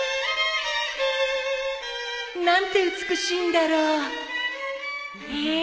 何て美しいんだろうへえ